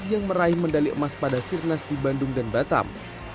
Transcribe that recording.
yang meraih medali emas pada sirnas di bandung dan batam